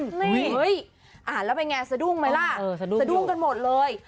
นี่อ่านแล้วเป็นไงสะดุ้งไหมล่ะสะดุ้งกันหมดเลย